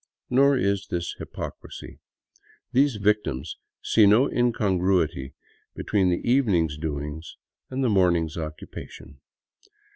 Nor is this hypocrisy. These victims see no incongruity between the evening's doings and the morning's occupation.